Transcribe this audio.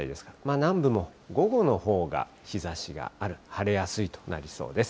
南部も午後のほうが日ざしがある、晴れやすいとなりそうです。